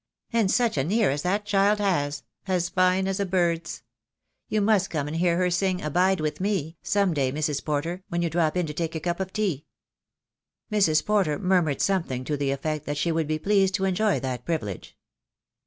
And such an ear as that child has, as fine as a bird's. You must come and hear her sing 'Abide with me," some day, Mrs. Porter, when you drop in to take a cup of tea." Mrs. Porter murmured something to the effect that she would be pleased to enjoy that privilege.